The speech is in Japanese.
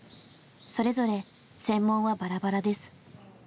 それぞれ専門はバラバラです。